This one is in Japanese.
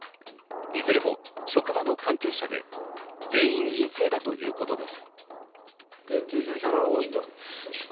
いずれも職場の関係者で全員、陰性だということです。